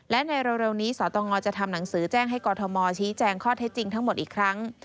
และในเร็วนี้สตงจะทำหนังสือแจ้งให้กรทมชี้แจงข้อเท็จจริงทั้งหมดอีกครั้ง